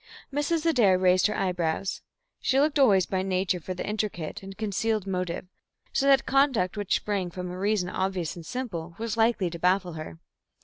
Mrs. Adair raised her eyebrows. She looked always by nature for the intricate and concealed motive, so that conduct which sprang from a reason, obvious and simple, was likely to baffle her.